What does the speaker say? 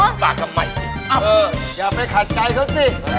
อย่าเอาไปขาดใจเขาสิ